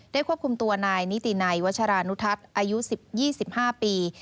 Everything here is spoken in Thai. ควบคุมตัวนายนิตินัยวัชรานุทัศน์อายุ๒๕ปี